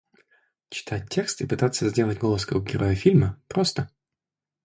Читать текст и пытаться сделать голос как у героя фильма, просто.